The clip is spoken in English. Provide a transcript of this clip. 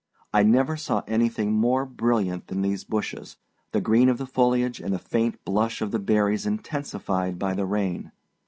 I never saw anything more brilliant than these bushes, the green of the foliage and the faint blush of the berries intensified by the rain.